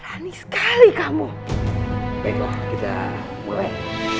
rani sekali kamu pegang kita mulai